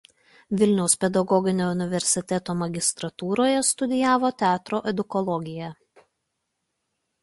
Vilniaus pedagoginio universiteto magistrantūroje studijavo teatro edukologiją.